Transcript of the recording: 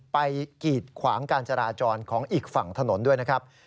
กีดขวางการจราจรของอีกฝั่งถนนด้วยนะครับ